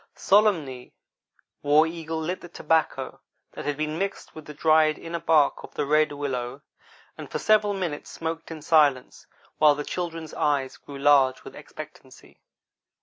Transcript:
Solemnly War Eagle lit the tobacco that had been mixed with the dried inner bark of the red willow, and for several minutes smoked in silence, while the children's eyes grew large with expectancy.